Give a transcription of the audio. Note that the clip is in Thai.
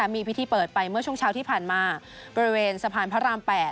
มีพิธีเปิดไปเมื่อช่วงเช้าที่ผ่านมาบริเวณสะพานพระราม๘